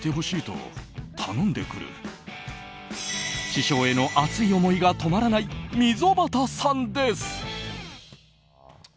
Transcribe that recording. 師匠への熱い思いが止まらない溝端さんです。